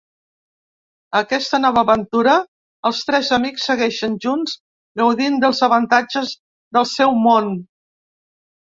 A aquesta nova aventura els tres amics segueixen junts gaudint dels avantatges del seu món.